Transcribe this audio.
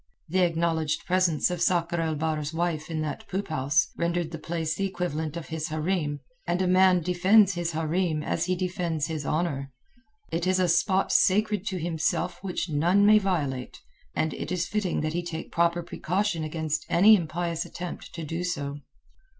The acknowledged presence of Sakr el Balir's wife in that poop house, rendered the place the equivalent of his hareem, and a man defends his hareem as he defends his honour; it is a spot sacred to himself which none may violate, and it is fitting that he take proper precaution against any impious attempt to do so.